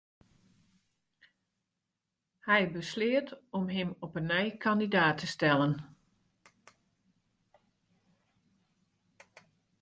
Hy besleat om him op 'e nij kandidaat te stellen.